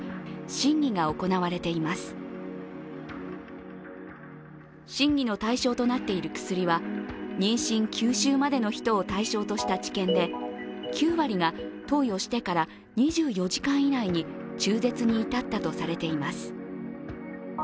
審議の対象となっている薬は妊娠９週までの人を対象とした治験で９割が投与してから２４時間以内に中絶に至ったとされています。